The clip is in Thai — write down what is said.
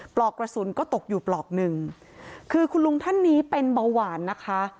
ปลอกกระสุนก็ตกอยู่ปลอกหนึ่งคือคุณลุงท่านนี้เป็นเบาหวานนะคะ